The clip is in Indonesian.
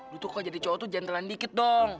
lu tuh kok jadi cowok tuh jantelan dikit dong